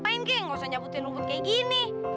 tidak perlu menyambut rumput seperti ini